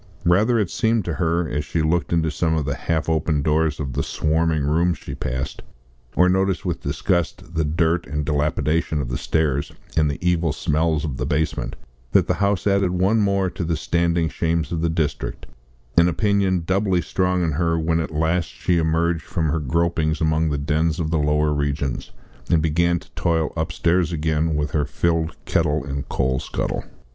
Rather it seemed to her, as she looked into some of the half open doors of the swarming rooms she passed, or noticed with disgust the dirt and dilapidation of the stairs, and the evil smells of the basement, that the house added one more to the standing shames of the district an opinion doubly strong in her when at last she emerged from her gropings among the dens of the lower regions, and began to toil upstairs again with her filled kettle and coal scuttle.